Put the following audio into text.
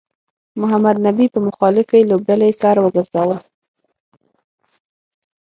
محمد نبي په مخالفې لوبډلې سر وګرځاوه